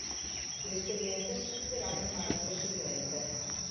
L'esperienza si chiuderà nel marzo seguente.